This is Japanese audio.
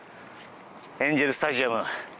エンゼル・スタジアム。